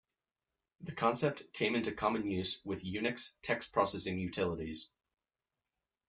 The concept came into common use with Unix text-processing utilities.